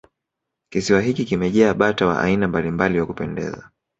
kisiwa hiki kimejaa bata wa aina mbalimbali wa kupendeza